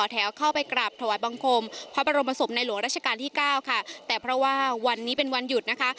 แต่เพราะว่าวันนี้เป็นวันหยุดนะคะ